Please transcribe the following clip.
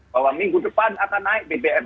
bahwa minggu depan akan naik bbm